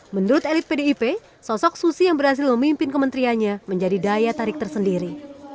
menurut elit pdip sosok susi yang berhasil memimpin kementeriannya menjadi daya tarik tersendiri